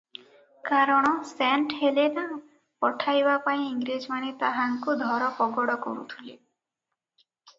କାରଣ Saint Helena ପଠାଇବା ପାଇଁ ଇଂରେଜମାନେ ତାହାଙ୍କୁ ଧରପଗଡ଼ କରୁଥିଲେ ।